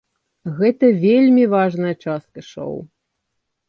Гэта вельмі важная частка шоу.